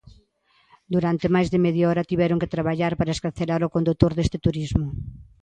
Durante máis de media hora tiveron que traballar para excarcerar o condutor deste turismo.